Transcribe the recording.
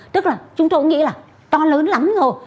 tức là chúng tôi nghĩ là to lớn lắm rồi